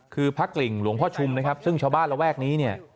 คือพระกลิ่งหลวงพ่อชุมนะครับซึ่งชาวบ้านระแวกนี้เนี่ย